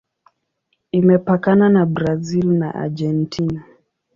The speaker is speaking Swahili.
Imepakana na Brazil na Argentina.